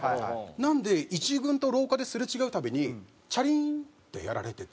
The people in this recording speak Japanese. なので１軍と廊下ですれ違うたびにチャリーンってやられてて。